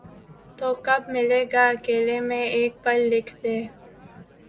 تو کب ملے گا اکیلے میں ایک پل لکھ دے